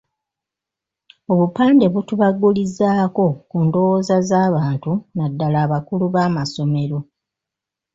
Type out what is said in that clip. Obupande butubagulizaako ku ndowooza z’abantu naddala abakulu b’amasomero.